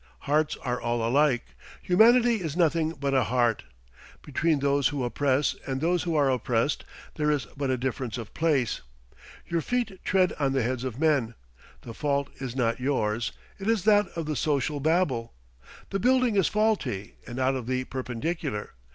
Hearts are all alike. Humanity is nothing but a heart. Between those who oppress and those who are oppressed there is but a difference of place. Your feet tread on the heads of men. The fault is not yours; it is that of the social Babel. The building is faulty, and out of the perpendicular.